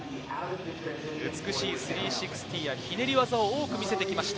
美しい３６０や、ひねり技を多く見せてきました。